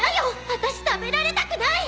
あたし食べられたくない！